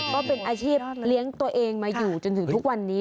ก็เป็นอาชีพเลี้ยงตัวเองมาอยู่จนถึงทุกวันนี้